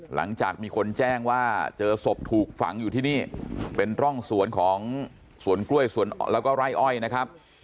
หลังจากมีคนแจ้งว่าเจอศพถูกฝังอยู่ที่นี่เป็นร่องสวนของสวนกล้วยแล้วก็ไร่อ้อยนะครับ